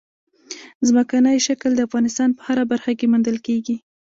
ځمکنی شکل د افغانستان په هره برخه کې موندل کېږي.